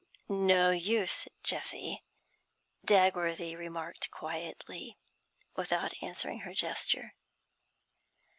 'No use, Jessie,' Dagworthy remarked quietly, without answering her gesture.